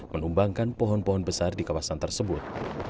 menumbangkan pohon pohon besar di kawasan tersebut